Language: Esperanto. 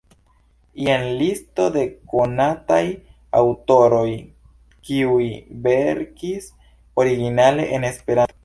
Jen listo de konataj aŭtoroj, kiuj verkis originale en Esperanto.